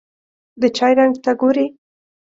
د چای رنګ ته ګوري.